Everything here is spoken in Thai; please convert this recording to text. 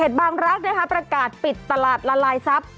เขตบางรัฐนะครับปรากามปิดตลาดละลายทรัพย์